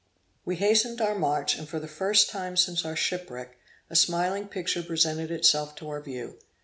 We hastened our march, and for the first time since our shipwreck, a smiling picture presented itself to our view.